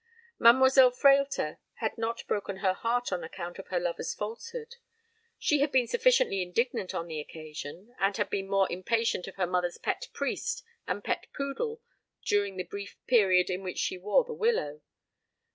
Mademoiselle Frehlter had not broken her heart on account of her lover's falsehood. She had been sufficiently indignant on the occasion, and had been more impatient of her mother's pet priest and pet poodle during the brief period in which she wore the willow.